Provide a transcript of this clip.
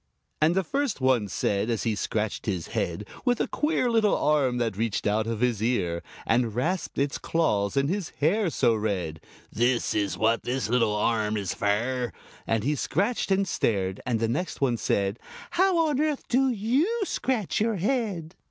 And the first one said, as he scratched his head With a queer little arm that reached out of his ear And rasped its claws in his hair so red "This is what this little arm is fer!" And he scratched and stared, and the next one said "How on earth do you scratch your head?"